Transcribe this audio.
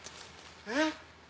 えっ？